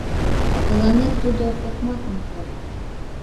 Тыланет тудо окмакым пуа